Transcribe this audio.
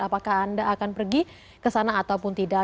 apakah anda akan pergi ke sana ataupun tidak